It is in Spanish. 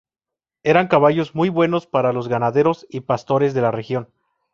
Eran caballos muy buenos para los ganaderos y pastores de la región.